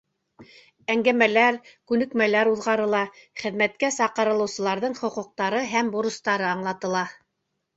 Әңгәмәләр, күнекмәләр уҙғарыла, хеҙмәткә саҡырылыусыларҙың хоҡуҡтары һәм бурыстары аңлатыла.